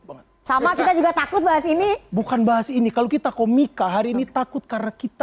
banget sama kita juga takut bahas ini bukan bahas ini kalau kita komika hari ini takut karena kita